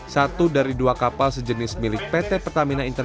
satu dari dua kapal sejenis milik pt pertamina internet